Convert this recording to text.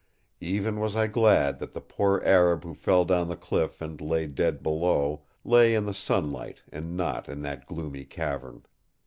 Even was I glad that the poor Arab who fell down the cliff and lay dead below, lay in the sunlight and not in that gloomy cavern.